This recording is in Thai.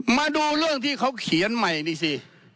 มาดูเรื่องที่เขาเขียนใหม่นี่สิ